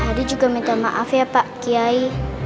tadi juga minta maaf ya pak kiai